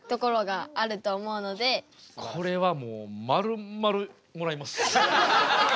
これはもうまるまるもらいます。